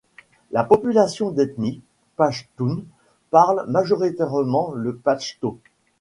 La population d'ethnie pachtoune parle majoritairement le pachto.